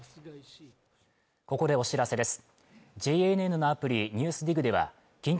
ここでお知らせです